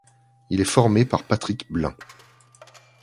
Il est formé par Patrick Blain.